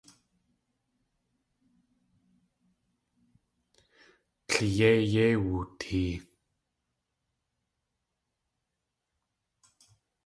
Tleiyéi yéi wootee.